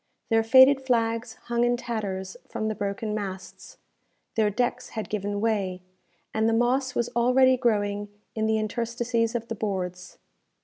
Their faded flags hung in tatters from the broken masts; their decks had given way; and the moss was already growing in the interstices of the boards.